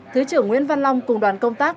thứ trưởng nguyễn văn long cùng đoàn công tác